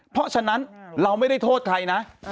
เพราะฉะนั้นเราไม่ได้โทษใครนะ